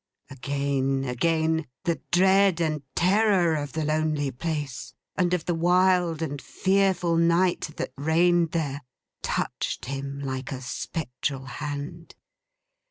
Again, again, the dread and terror of the lonely place, and of the wild and fearful night that reigned there, touched him like a spectral hand.